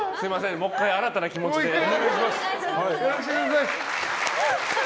もう１回新たな気持ちでお願いします。